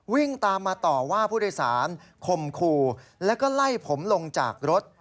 วิ่งตามมาต่อว่าผู้โดยสารคมคู่แล้วก็ไล่ผมลงจากรถ